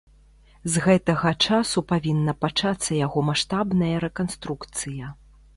З гэтага часу павінна пачацца яго маштабная рэканструкцыя.